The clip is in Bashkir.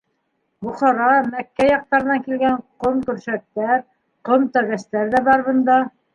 Бохара, Мәккә яҡтарынан килгән ҡом көршәктәр, ҡом тәгәстәр ҙә бар бында.